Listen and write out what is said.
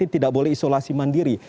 tidak boleh isolasi mandiri